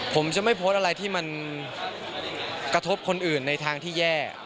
ผมจะไม่โพสต์อะไรที่มันกระทบคนอื่นในทางที่แย่